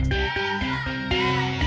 terima kasih bu